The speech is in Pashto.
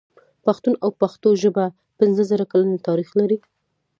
پښتون او پښتو ژبه پنځه زره کلن تاريخ لري.